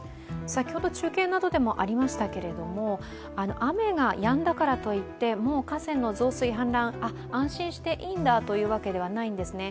先ほど中継などでもありましたが、雨がやんだからといってもう河川の増水・氾濫、安心していいんだというわけではないんですね。